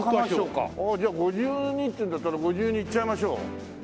じゃあご自由にっていうんだったらご自由に行っちゃいましょう！